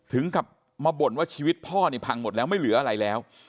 ถึงกลับมาบ่นว่าชีวิตพ่อนี่พังหมดแล้วไม่เหลืออะไรแล้ว